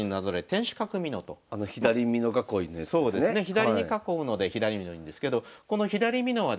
左に囲うので左美濃いうんですけどこの左美濃はですね